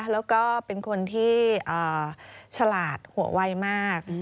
แล้วก็เป็นคนที่ฉลาดหัวไวมาก